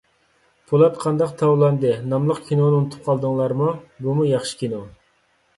«پولات قانداق تاۋلاندى» ناملىق كىنونى ئۇنتۇپ قالدىڭلارمۇ؟ بۇمۇ ياخشى كىنو.